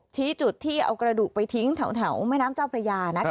ที่จุดที่เอากระดูกไปทิ้งแถวแม่น้ำเจ้าพระยา